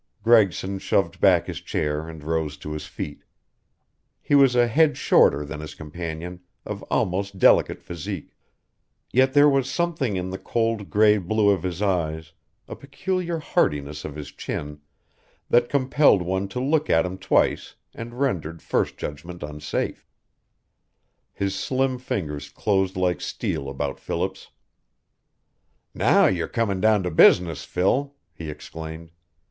Gregson shoved back his chair and rose to his feet. He was a head shorter than his companion, of almost delicate physique. Yet there was something in the cold gray blue of his eyes, a peculiar hardness of his chin, that compelled one to look at him twice and rendered first judgment unsafe. His slim fingers closed like steel about Philip's. "Now you're coming down to business, Phil," he exclaimed.